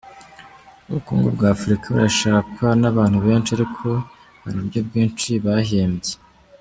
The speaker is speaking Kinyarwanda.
Ubukungu bwa Afurika burashakwa n’abantu benshi ariko hari uburyo bwinshi bahimbye.